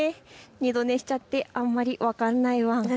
二度寝しちゃってあんまり分かんなかったワン。